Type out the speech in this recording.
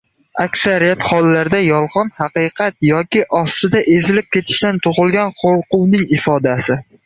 — Aksariyat hollarda yolg‘on haqiqat yuki ostida ezilib ketishdan tug‘ilgan qo‘rquvning ifodasi.